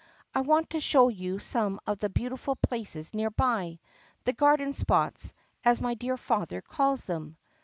"I want to show you some of the beautiful places near by — the garden spots, as my dear father calls them."